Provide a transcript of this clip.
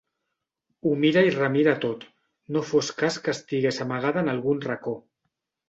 Ho mira i remira tot, no fos cas que estigués amagada en algun racó.